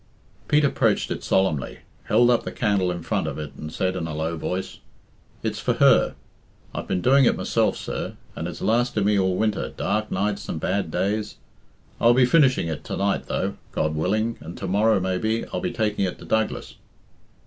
Pete approached it solemnly, held up the candle in front of it, and said in a low voice, "It's for her. I've been doing it myself, sir, and it's lasted me all winter, dark nights and bad days. I'll be finishing it to night, though, God willing, and to morrow, maybe, I'll be taking it to Douglas."